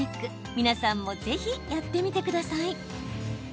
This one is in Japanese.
皆さんもぜひ、やってみてください。